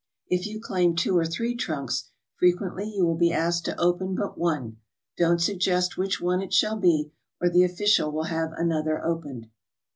If you claim two or three trunks, frequently you will be asked to open but one; don't suggest which one it shall be, or the official will have another opened.